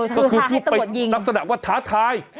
ก็คือพูดไปนับสนับว่าท้าทาย